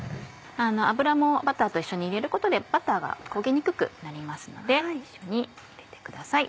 油もバターと一緒に入れることでバターが焦げにくくなりますので一緒に入れてください。